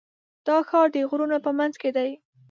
دا ښار د غرونو په منځ کې دی.